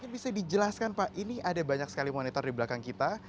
bisa dijelaskan pak ini ada banyak sekali monitor di belakang kita